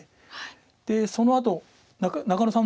でそのあと中野さん